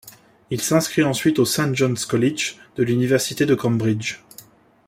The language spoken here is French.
Il s'inscrit ensuite au St John's College de l'université de Cambridge.